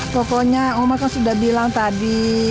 pokoknya oma kan sudah bilang tadi